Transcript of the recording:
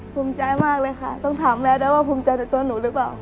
ภูมิใจมากเลยค่ะต้องถามแม่ได้ว่าภูมิใจในตัวหนูหรือเปล่า